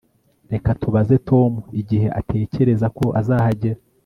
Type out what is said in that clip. Reka tubaze Tom igihe atekereza ko azahagera